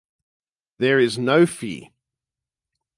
There is no fee.